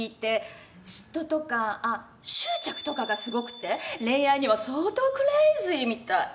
嫉妬とかあっ執着とかがすごくて恋愛には相当クレイジーみたい。